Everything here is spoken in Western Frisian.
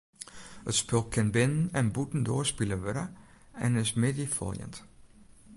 It spul kin binnen- en bûtendoar spile wurde en is middeifoljend.